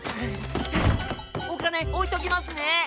おかねおいときますね。